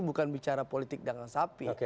bukan bicara politik dagang sapi